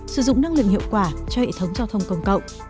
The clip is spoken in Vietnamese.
sử dụng năng lượng hiệu quả cho hệ thống giao thông công cộng